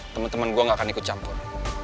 temen temen gue gak akan ikut campur